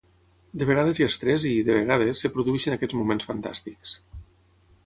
De vegades hi ha estrès i, de vegades, es produeixen aquests moments fantàstics.